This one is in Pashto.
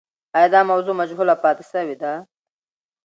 آیا دا موضوع مجهوله پاتې سوې ده؟